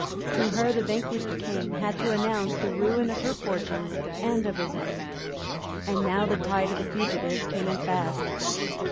To her the vanquished King had to announce the ruin of her fortunes and of his own. And now the tide of fugitives came in fast.